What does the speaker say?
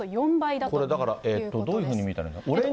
これ、だからどういうふうに見たらいいの？